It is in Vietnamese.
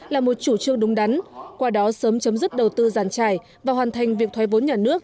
là một chủ trương đúng đắn qua đó sớm chấm dứt đầu tư giàn trải và hoàn thành việc thoái vốn nhà nước